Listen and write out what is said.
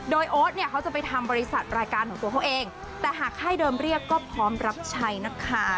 โดยโอ๊ตเนี่ยเขาจะไปทำบริษัทรายการของตัวเขาเองแต่หากค่ายเดิมเรียกก็พร้อมรับใช้นะคะ